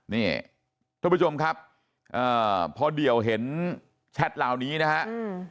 นี่ท่านผู้ชมครับอ่าพอเดี่ยวเห็นแชทเหล่านี้นะฮะอืม